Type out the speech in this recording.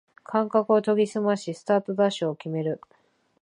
感覚を研ぎすましスタートダッシュを決める